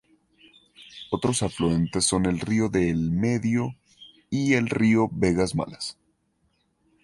Otros afluentes son el río del Medio y el río Vegas Malas.